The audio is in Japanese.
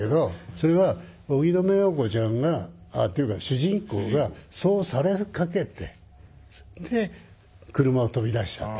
それは荻野目洋子ちゃんがっていうか主人公がそうされかけてで車を飛び出しちゃった。